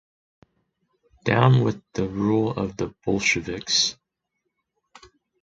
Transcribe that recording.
Down with the rule of the Bolsheviks!